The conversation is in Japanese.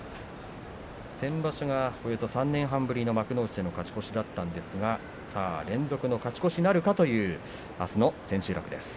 先場所は、およそ３年半ぶりの幕内の勝ち越しだったんですが連続の勝ち越しなるかというあすの千秋楽です。